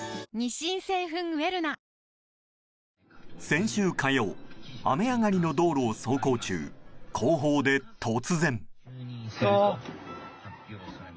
先週火曜雨上がりの道路を走行中後方で突然！